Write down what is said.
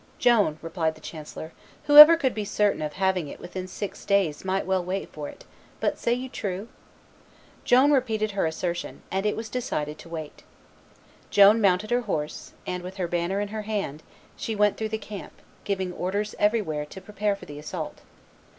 "Joan," replied the chancellor, "whoever could be certain of having it within six days might well wait for it; but say you true?" Joan repeated her assertion; and it was decided to wait. Joan mounted her horse, and, with her banner in her hand, she went through the camp, giving orders everywhere to prepare for the assault.